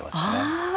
ああ！